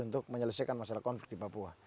untuk menyelesaikan masalah konflik di papua